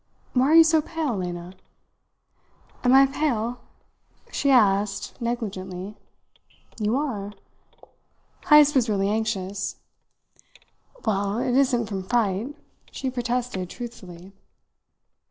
Why are you so pale, Lena?" "Am I pale?" she asked negligently. "You are." Heyst was really anxious. "Well, it isn't from fright," she protested truthfully.